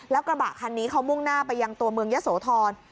แล้วกระบะคันนี้เขามุ่งหน้าไปยังตัวเมืองยะโสธร